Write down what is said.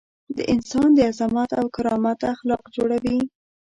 د انسان د عظمت او کرامت اخلاق جوړوي.